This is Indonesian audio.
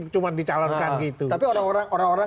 cuma dicalonkan gitu tapi orang orang